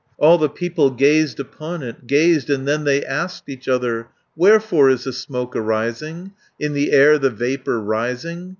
All the people gazed upon it, Gazed, and then they asked each other, "Wherefore is the smoke arising, In the air the vapour rising?